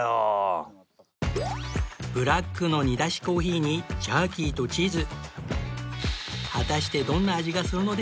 ブラックの煮出しコーヒーにジャーキーとチーズ